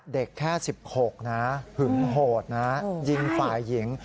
เด็กแค่๑๖นะหึงโหดนะยิงฝ่ายหญิง